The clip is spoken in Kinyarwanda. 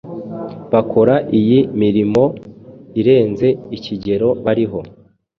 bakora iyi mirimo irenze ikigero bariho.